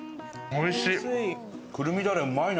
おいしい。